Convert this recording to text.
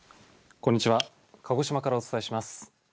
こんにちは鹿児島からお伝えします。